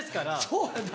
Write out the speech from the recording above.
そうやな！